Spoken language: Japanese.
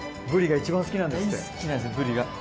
大好きなんですブリが。